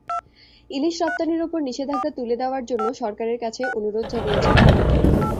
ইলিশ রপ্তানির ওপর নিষেধাজ্ঞা তুলে নেওয়ার জন্য সরকারের কাছে অনুরোধ জানিয়েছে ভারত।